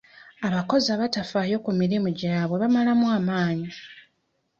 Abakozi abatafaayo ku mirimu gyabwe bamalamu amaanyi.